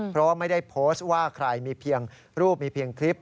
เพราะว่าไม่ได้โพสต์ว่าใครมีเพียงรูปมีเพียงคลิป